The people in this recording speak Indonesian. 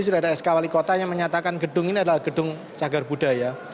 sudah ada sk wali kota yang menyatakan gedung ini adalah gedung cagar budaya